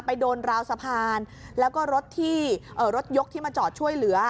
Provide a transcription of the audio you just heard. ไปโดนราวสะพานแล้วก็รถที่รถยกที่มาจอดช่วยเหลือ